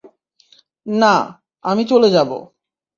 না, আমি চলে যাবো।